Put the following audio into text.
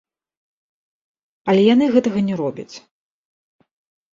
Але яны гэтага не робяць.